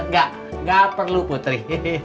gak gak perlu putri